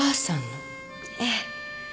ええ。